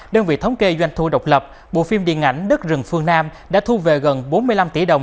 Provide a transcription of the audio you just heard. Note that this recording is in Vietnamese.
đơn vị thống kê doanh thu độc lập bộ phim điện ảnh đất rừng phương nam đã thu về gần bốn mươi năm tỷ đồng